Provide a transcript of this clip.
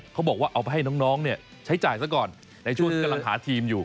เขาบอกว่าเอาไปให้น้องเนี่ยใช้จ่ายซะก่อนในช่วงกำลังหาทีมอยู่